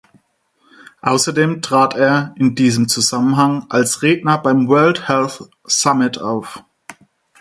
Außerdem trat er in diesem Zusammenhang als Redner beim World Health Summit auf.